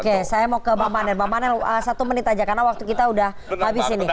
oke saya mau ke bang manel bang manel satu menit aja karena waktu kita udah habis ini